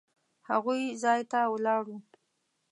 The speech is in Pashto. هغوی ځای ته ولاړو.